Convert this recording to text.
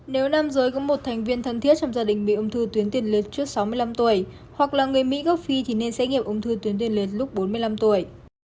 nếu nam giới có một thành viên thân thiết trong gia đình bị ung thư tuyến tiền lượt trước sáu mươi năm tuổi hoặc là người mỹ gốc phi thì nên xét nghiệm ung thư tuyến đê liệt lúc bốn mươi năm tuổi